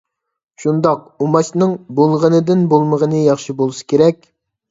شۇنداق «ئۇماچ»نىڭ بولغىنىدىن بولمىغنى ياخشى بولسا كېرەك.